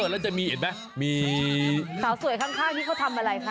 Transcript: แล้วจะมีเห็นไหมมีสาวสวยข้างนี้เขาทำอะไรคะ